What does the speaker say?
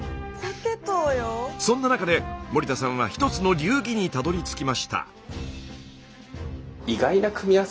そんな中で森田さんは一つの流儀にたどりつきました。